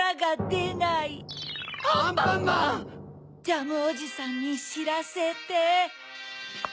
ジャムおじさんにしらせて。